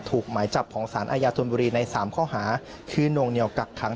หมายจับของสารอาญาธนบุรีใน๓ข้อหาคือนวงเหนียวกักขัง